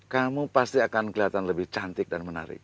kamu pasti akan kelihatan lebih cantik dan menarik